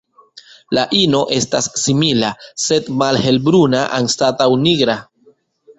La ino estas simila, sed malhelbruna anstataŭ nigra.